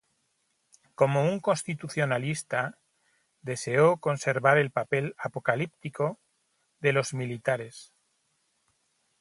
Como un constitucionalista, deseó conservar el papel apolítico de los militares.